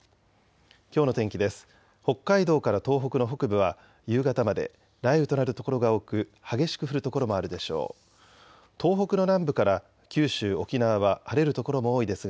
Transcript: きょうの天気です。